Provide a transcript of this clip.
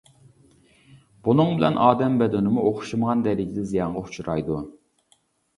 بۇنىڭ بىلەن ئادەم بەدىنىمۇ ئوخشىمىغان دەرىجىدە زىيانغا ئۇچرايدۇ.